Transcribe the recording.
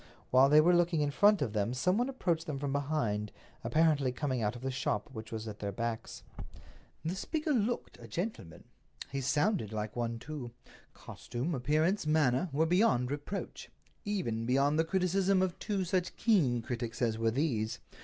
While they were looking in front of them some one approached them from behind, apparently coming out of the shop which was at their backs. The speaker looked a gentleman. He sounded like one, too. Costume, appearance, manner, were beyond reproach—even beyond the criticism of two such keen critics as were these.